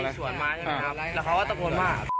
มีชวนมาใช่ไหมครับแล้วเขาว่าตกโกนมาก